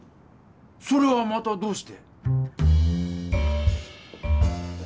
それはまたどうして？